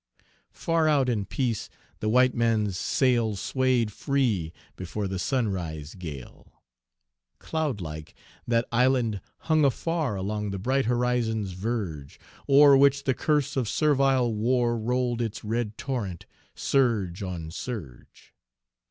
Far out in peace the white man's sail Swayed free before the sunrise gale. Cloud like that island hung afar Along the bright horizon's verge, O'er which the curse of servile war Rolled its red torrent, surge on surge.